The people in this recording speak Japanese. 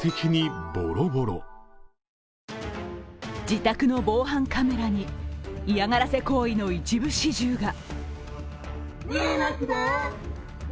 自宅の防犯カメラに嫌がらせ行為の一部始終が。